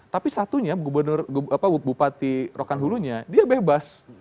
tapi satunya bupati rokan hulu nya dia bebas